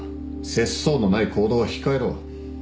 節操のない行動は控えろ。